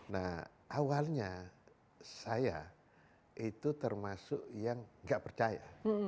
nah awalnya saya itu termasuk yang nggak percaya